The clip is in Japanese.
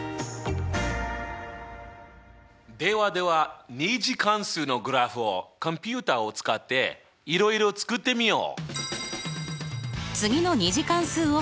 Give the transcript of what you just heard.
ではでは２次関数のグラフをコンピュータを使っていろいろ作ってみよう。